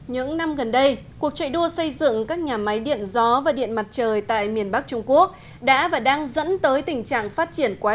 những năm gần đây cuộc chạy đua xây dựng các nhà máy điện gió và điện mặt trời tại miền bắc trung quốc đã và đang dẫn tới tình trạng phát triển quá lớn